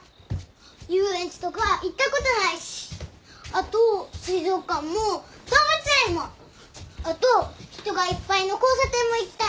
遊園地とか行ったことないしあと水族館も動物園もあと人がいっぱいの交差点も行きたいな。